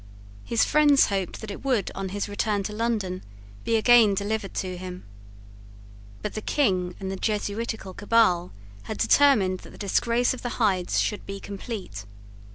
His friends hoped that it would, on his return to London, be again delivered to him. But the King and the Jesuitical cabal had determined that the disgrace of the Hydes should be complete.